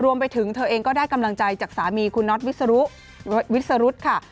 รวมไปถึงเธอเองก็ได้กำลังใจจากสามีคุณน็อตวิสรุธค่ะ